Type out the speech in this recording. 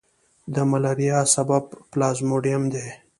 د ملیریا سبب پلازموډیم دی.